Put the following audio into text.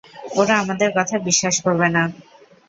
ওরা আমাদের কথা বিশ্বাস করবে না।